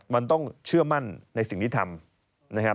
มันต้องเชื่อมั่นในสิ่งที่ทำ